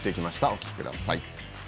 お聞きください。